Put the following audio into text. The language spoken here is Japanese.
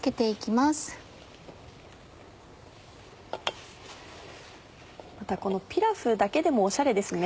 またこのピラフだけでもオシャレですね。